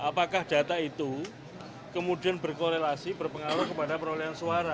apakah data itu kemudian berkorelasi berpengaruh kepada perolehan suara